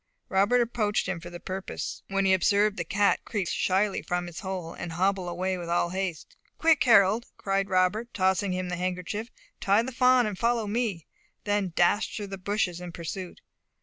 Robert approached him for the purpose, when he observed the cat creep slyly from his hole, and hobble away with all haste. "Quick, Harold," cried Robert, tossing him the handkerchief, "tie the fawn, and follow me," then dashed through the bushes in pursuit.